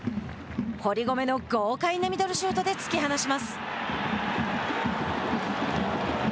堀米の豪快なミドルシュートで突き放します。